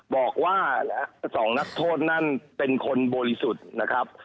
บอกว่า๒นักโทษนั่นเป็นคนบริสุทธิ์นะครับ